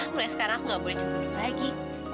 mulai sekarang nggak boleh cemburu lagi